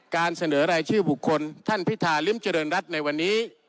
การเสนอรายชื่อบุคคลท่านพิธาริมเจริญรัฐในวันนี้